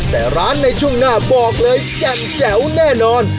แต่ร้านในช่วงหน้าบอกเลยแจ่มแจ๋วแน่นอน